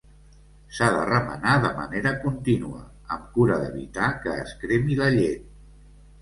S'ha de remenar de manera contínua, amb cura d'evitar que es cremi la llet.